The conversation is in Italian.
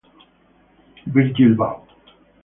Virgil Vaughn